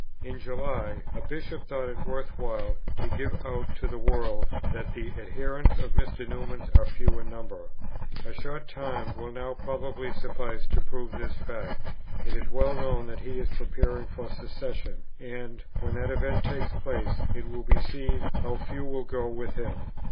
In July, a Bishop thought it worth while to give out to the world that "the adherents of Mr. Newman are few in number. A short time will now probably suffice to prove this fact. It is well known that he is preparing for secession; and, when that event takes place, it will be seen how few will go with him."